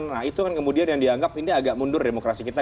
nah itu kan kemudian yang dianggap ini agak mundur demokrasi kita